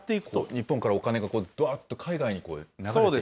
日本からお金がどわーっと海外に流れていくと。